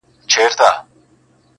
د واه ، واه يې باندي جوړ كړل بارانونه،